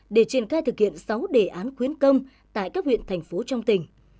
để triển khai thực hiện sáu đề án khuyến công tại các huyện thành phố trong tỉnh